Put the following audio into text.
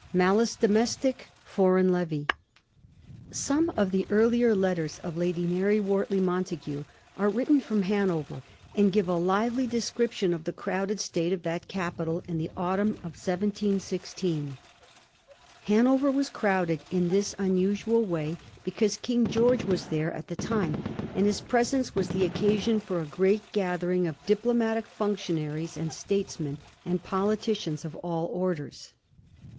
^MALICE DOMESTIC — ^FOREIGN LEVY.' Some of the earlier letters of Lady Mary Wortley Montagu are written jfrom Hanover, and give a lively description of the crowded state of that capital in the autumn of 1716. Hanover was crowded in this un usual way because King George was there at the time, and his presence was the occasion for a great gathering of diplomatic functionaries and statesmen and politicians of all orders.